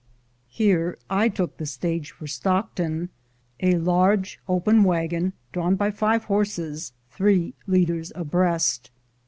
Here I took the stage for Stockton — a large open wagon, drawn by five horses, three leaders abreast.